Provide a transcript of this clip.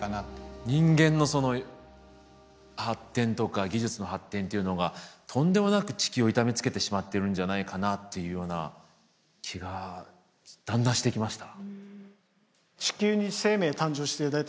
人間のその発展とか技術の発展というのがとんでもなく地球を痛めつけてしまってるんじゃないかなっていうような気がだんだんしてきました。